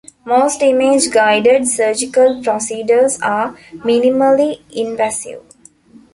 Most image-guided surgical procedures are minimally invasive.